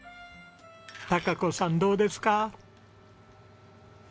貴子さんどうですか？